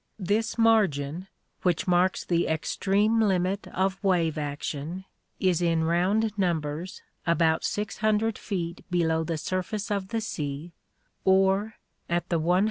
This margin, which marks the extreme limit of wave action, is in round numbers about 600 feet below the surface of the sea, or at the 100 fathom .line.